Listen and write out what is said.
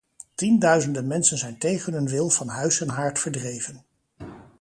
Tienduizenden mensen zijn tegen hun wil van huis en haard verdreven.